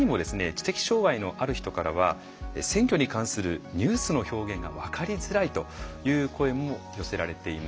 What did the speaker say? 知的障害のある人からは選挙に関するニュースの表現が分かりづらいという声も寄せられています。